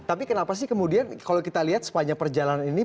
tapi kenapa sih kemudian kalau kita lihat sepanjang perjalanan ini